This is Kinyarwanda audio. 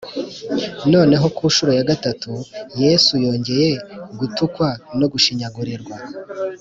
noneho ku ncuro ya gatatu yesu yongeye gutukwa no gushinyagurirwa,